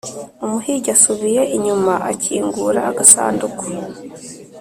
umuhigi asubiye inyuma akingura agasanduku,